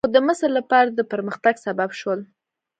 خو د مصر لپاره د پرمختګ سبب شول.